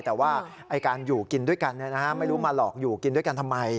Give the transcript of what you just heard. แต่ว่าการอยู่กินด้วยกันไม่รู้มาหลอกอยู่กินด้วยกันทำไม